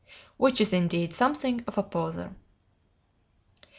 _" which is, indeed, something of a poser.